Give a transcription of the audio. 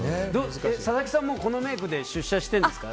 佐々木さん、もうこのメイクで出社してるんですか？